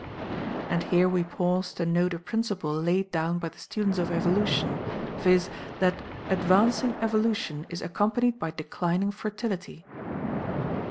And here we pause to note a principle laid down by the students of Evolution, viz., that ADVANCING EVOLUTION IS ACCOMPANIED BY DECLINING FERTILITY.